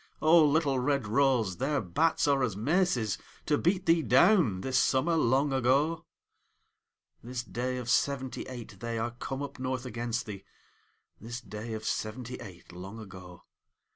O, little red rose, their bats are as maces To beat thee down, this summer long ago ! This day of seventy eight they are come up north against thee This day of seventy eight long ago!